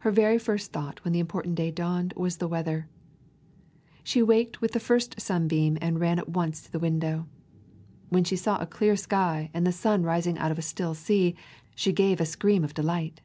Her very first thought when the important day dawned was the weather. She waked with the first sunbeam and ran at once to the window. When she saw a clear sky and the sun rising out of a still sea, she gave a scream of delight.